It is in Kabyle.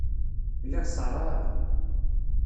Lliɣ ṣerɛeɣ.